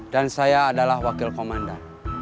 dan saya adalah wakil komandan